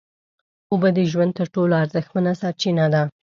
اوبه د ژوند تر ټولو ارزښتمنه سرچینه ده